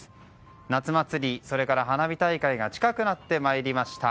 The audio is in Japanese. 夏祭り、それから花火大会が近くなってまいりました。